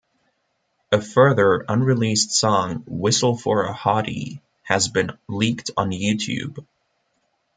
A further unreleased song "Whistle for a hottie" has been leaked on YouTube.